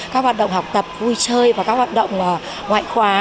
các hoạt động học tập vui chơi và các hoạt động ngoại khóa